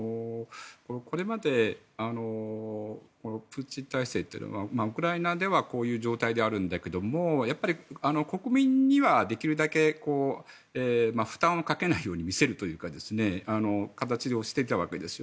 これまでプーチン体制というのはウクライナではこういう状態だけれどもやっぱり、国民にはできるだけ負担をかけないように見せるというか形をしていたわけです。